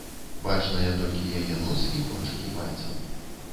Бачныя толькі яе нос і кончыкі пальцаў.